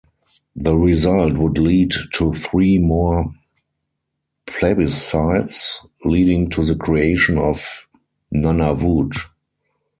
The result would lead to three more plebiscites leading to the creation of Nunavut.